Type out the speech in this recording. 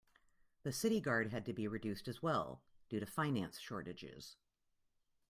The city guard had to be reduced as well due to finance shortages.